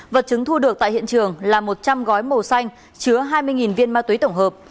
vật chứng thu được tại hiện trường là một trăm linh gói màu xanh chứa hai mươi viên ma túy tổng hợp